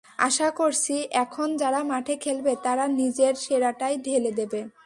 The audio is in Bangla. আশা করছি, এখন যারা মাঠে খেলবে, তারা নিজের সেরাটাই ঢেলে দেবে।